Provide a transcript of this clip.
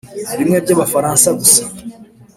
bimwe by'abafaransa gusa